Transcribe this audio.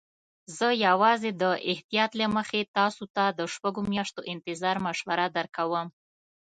زه یوازې د احتیاط له مخې تاسي ته د شپږو میاشتو انتظار مشوره درکوم.